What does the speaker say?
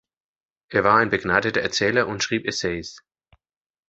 Er war ein begnadeter Erzähler und schrieb Essays.